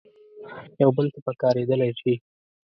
یو بل ته پکارېدلای شي.